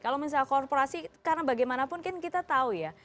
kalau misalnya korporasi karena bagaimanapun kan kita tahu ya